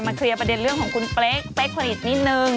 เคลียร์ประเด็นเรื่องของคุณเป๊กเป๊กผลิตนิดนึง